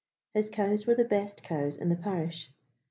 His cows were the best cows in the parish.